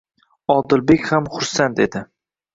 Odilbek ham xursand edi.